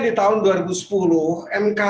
di tahun dua ribu sepuluh mk